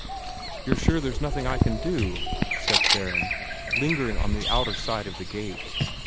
"You're sure there's nothing I can do," said Theron, lingering on the outer side of the gate.